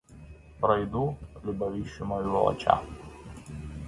Пройду, любовищу мою волоча.